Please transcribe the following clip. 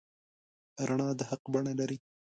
رڼا د حق بڼه لري.